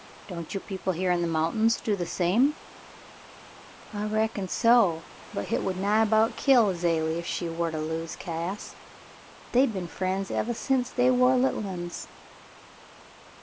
Don't you people here in the moun tains do the same ?" *'I reckon so, but hit would nigh about kill Azalie if she war to lose Cass. They have been frien's evah sence they war littlin's."